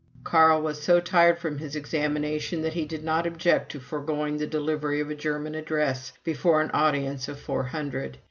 Carl was so tired from his examination, that he did not object to foregoing the delivery of a German address before an audience of four hundred.